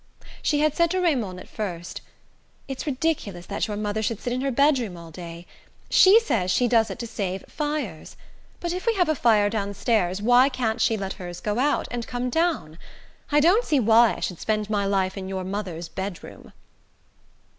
She had said to Raymond, at first: "It's ridiculous that your mother should sit in her bedroom all day. She says she does it to save fires; but if we have a fire downstairs why can't she let hers go out, and come down? I don't see why I should spend my life in your mother's bedroom."